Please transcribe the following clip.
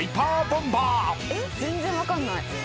全然分かんない。